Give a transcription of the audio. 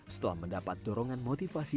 setelah mendapat dorongan motivasi